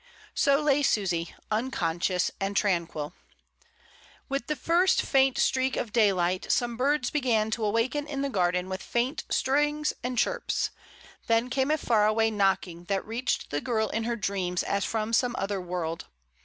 So lay Susy, unconscious and tranquil. With the first faint streak of daylight some birds began to awaken in the garden with faint stirrings and chirps; then came a far away knocking that reached the girl in her dreams as from some other world.